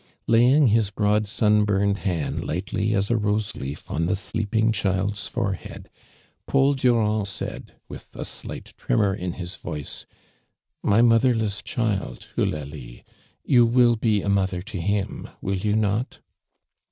Liying his broad sunburned hand lightly as a rose leaf on the sleeping child's fore head, J»aul ])urnnd said, with a slight tremor in his voice : "My motherless child, Eulalie. You will be a mother to him, will you not?"